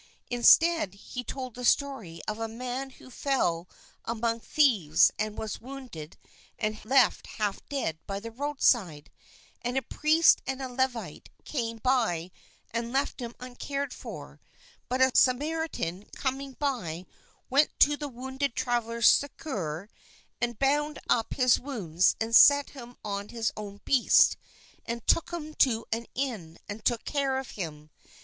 Instead, he told the story of a man who fell among thieves and was wounded and left half dead by the roadside; and a priest and a Levite came by and left him uncared for, but a Samaritan coming by went to the wounded traveller's succour, and bound up his wounds and set him on his own beast and took him to an inn, and took care of him.